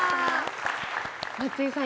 松井さん